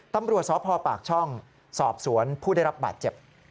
ตำรวจสพปากช่องสอบสวนผู้ได้รับบาดเจ็บ